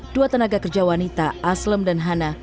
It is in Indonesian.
dua tenaga kerja wanita aslem dan hana